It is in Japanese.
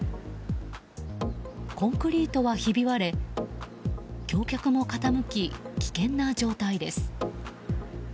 コンクリートはひび割れ橋脚も傾き、危険な状態です。